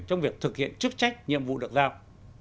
trong việc thực hiện chức trách nhiệm vụ được giao